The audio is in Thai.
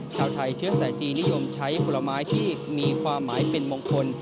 ชาวไทยเชื้อสายจีนนิยมใช้ผลไม้ที่มีความหมายเป็นมงคล